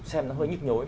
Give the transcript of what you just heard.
xem nó hơi nhức nhối